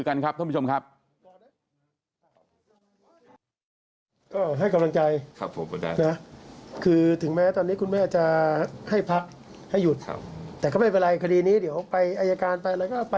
กันครับท่านผู้ผู้ผู้ชมครับ